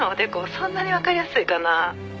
そんなにわかりやすいかな」